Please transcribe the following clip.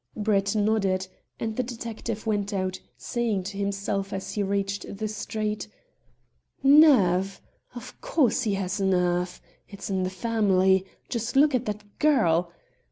Brett nodded, and the detective went out, saying to himself as he reached the street "Nerve! Of course he has nerve. It's in the family. Just look at that girl!